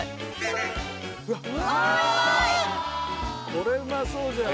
これうまそうじゃん